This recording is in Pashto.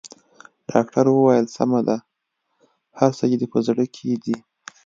ډاکټر وويل سمه ده هر څه چې دې په زړه کې دي.